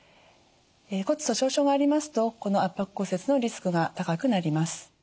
骨粗しょう症がありますとこの圧迫骨折のリスクが高くなります。